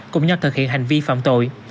cùng nhau thực hiện hành vi phạm tội